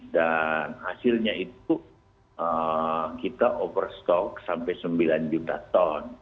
dan hasilnya itu kita overstock sampai sembilan juta ton